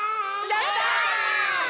やった！